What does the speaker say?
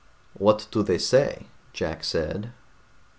"What do they say?" Jack said.